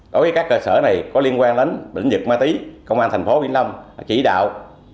đối với các cơ sở này có liên quan đến bệnh dịch ma túy công an thành phố vĩnh long chỉ đạo